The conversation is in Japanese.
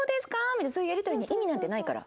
みたいなそういうやり取りに意味なんてないから。